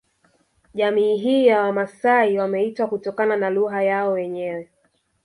Jamii hii ya Wamasai wameitwa kutokana na lugha yao wenyewe